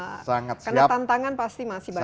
karena tantangan pasti masih banyak